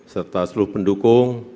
serta seluruh pendukung